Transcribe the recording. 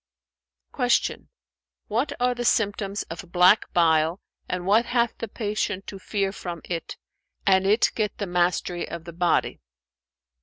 Q "What are the symptoms of black bile and what hath the patient to fear from it, an it get the mastery of the body?"